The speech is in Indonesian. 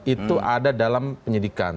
itu ada dalam penyidikan